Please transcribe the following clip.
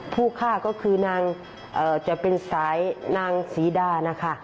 ผู้ฆ่าก็คือนางจะเป็นสายนางศรีดานะคะ